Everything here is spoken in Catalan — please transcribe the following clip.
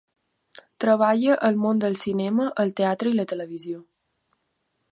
Treballa al món del cinema, el teatre i la televisió.